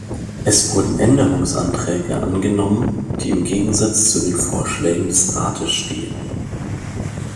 Es wurden Änderungsanträge angenommen, die im Gegensatz zu den Vorschlägen des Rates stehen.